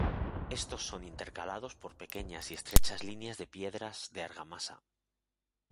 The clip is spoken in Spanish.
Estos son intercalados por pequeñas y estrechas líneas de piedras de argamasa.